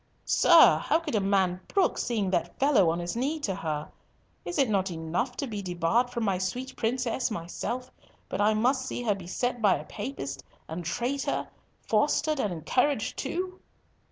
"Sir, how could a man brook seeing that fellow on his knee to her? Is it not enough to be debarred from my sweet princess myself, but I must see her beset by a Papist and traitor, fostered and encouraged too?"